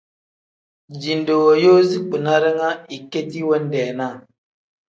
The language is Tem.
Dijinde wooyoozi kpina ringa ikendi wendeenaa.